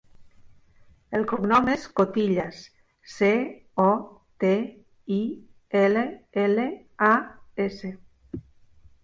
El cognom és Cotillas: ce, o, te, i, ela, ela, a, essa.